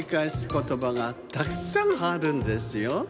ことばがたくさんあるんですよ。